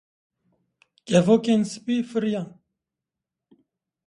Kevokên sipî firîyan.